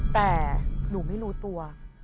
แต่หนูไม่รู้ตัว